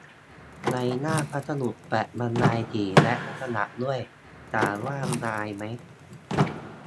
ในหน้าพัสดุแปะบรรยายสี และ ลักษณะด้วย ถามว่าอายไหม !